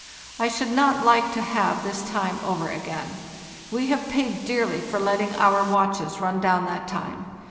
I should not like to have this time over again. We have paid dearly for letting our watches run down that time.